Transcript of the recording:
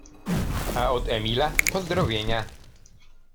A od Emila pozdrowienia.